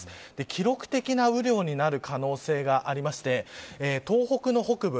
記録的な雨量になる可能性がありまして東北の北部